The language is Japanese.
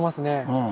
うん。